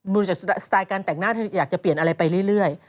ดูจากสไตล์การแต่งหน้าเธออยากจะเปลี่ยนอะไรไปเรื่อย